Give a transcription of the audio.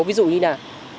ví dụ như nào